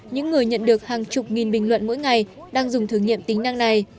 những người nhận được hàng chục nghìn bình luận mỗi ngày đang dùng thử nghiệm tính năng này